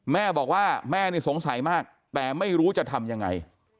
แม่บอกว่าแม่นี่สงสัยมากแต่ไม่รู้จะทำยังไง